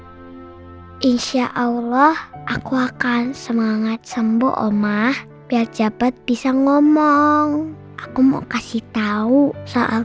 the insya allah aku akan semangat sembuh omah biar cepet bisa ngomong aku mau kasih tahu soal